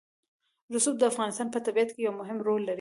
رسوب د افغانستان په طبیعت کې یو مهم رول لري.